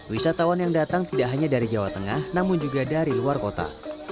wisatawan yang datang tidak hanya dari jawa tengah namun juga dari luar kota